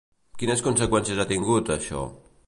Quines conseqüències ha tingut, això?